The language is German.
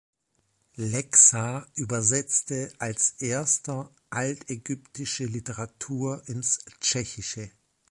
Lexa übersetzte als erster altägyptische Literatur ins Tschechische.